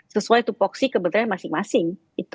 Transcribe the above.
sesuai itu voksi kementerian masing masing